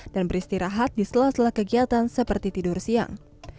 dan beristirahat di sela sela kegiatan seperti tidur siang